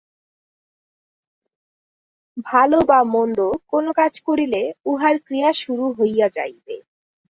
ভাল বা মন্দ কোন কাজ করিলে উহার ক্রিয়া শুরু হইয়া যাইবে।